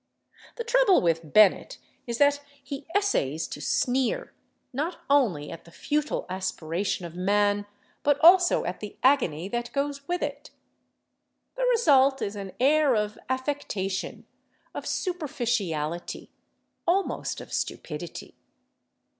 The trouble with Bennett is that he essays to sneer, not only at the futile aspiration of man, but also at the agony that goes with it. The result is an air of affectation, of superficiality, almost of stupidity.